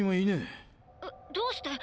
えどうして？